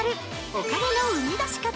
お金のうみだし方。